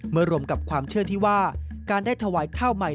รวมกับความเชื่อที่ว่าการได้ถวายข้าวใหม่